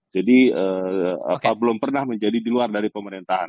jadi belum pernah menjadi di luar dari pemerintahan